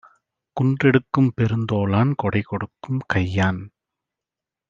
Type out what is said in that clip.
குன்றெடுக்கும் பெருந்தோளான் கொடைகொடுக்கும் கையான்!